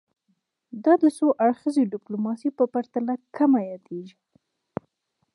دا د څو اړخیزه ډیپلوماسي په پرتله کمه یادیږي